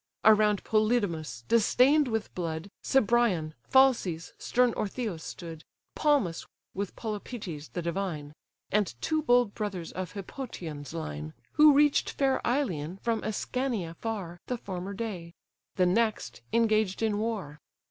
Around Polydamas, distain'd with blood, Cebrion, Phalces, stern Orthaeus stood, Palmus, with Polypœtes the divine, And two bold brothers of Hippotion's line (Who reach'd fair Ilion, from Ascania far, The former day; the next engaged in war).